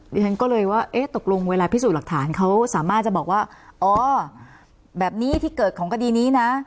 ดิฉันก็เลยว่าเอ๊ะตกลงเวลาพิสูจน์หลักฐานเขาสามารถจะบอกว่าอ๋อแบบนี้ที่เกิดของคดีนี้นะ